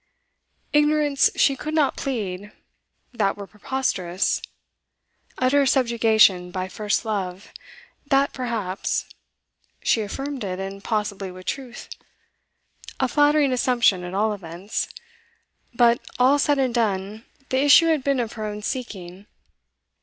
Ignorance she could not plead; that were preposterous. Utter subjugation by first love; that, perhaps; she affirmed it, and possibly with truth; a flattering assumption, at all events. But, all said and done, the issue had been of her own seeking.